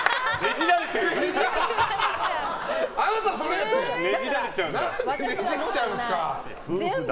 何でねじっちゃうんですか。